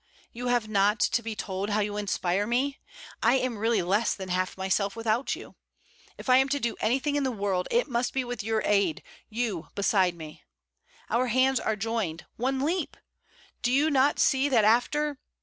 You have not to be told how you inspire me? I am really less than half myself without you. If I am to do anything in the world, it must be with your aid, you beside me. Our hands are joined: one leap! Do you not see that after...